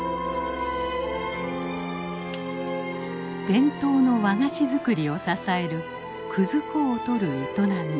伝統の和菓子作りを支える葛粉を採る営み。